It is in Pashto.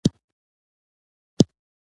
دا واټن درې تر څلور کاله و.